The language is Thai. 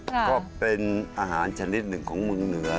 ก็เป็นอาหารชนิดหนึ่งของเมืองเหนือ